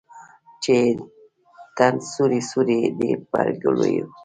چې یې تن سوری سوری دی پر ګولیو